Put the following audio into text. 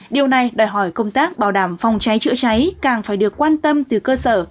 điều này đòi hỏi công tác bảo đảm phòng cháy chữa cháy càng phải được quan tâm từ cơ sở